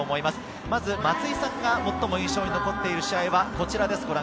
まず松井さんが最も印象に残っている試合はこちらです。